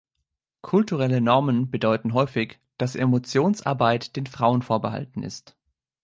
Kulturelle Normen bedeuten häufig, dass Emotionsarbeit den Frauen vorbehalten ist.